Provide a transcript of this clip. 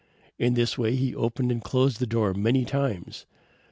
In this way he opened and closed the door many times.